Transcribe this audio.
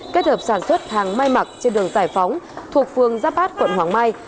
kết hợp sản xuất hàng may mặc trên đường giải phóng thuộc phương giáp bát quận hoàng mai